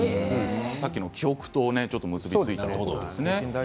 さっきの記憶と結び付いたようなことですね。